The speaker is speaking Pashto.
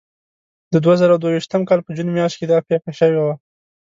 د دوه زره دوه ویشتم کال په جون میاشت کې دا پېښه شوې وه.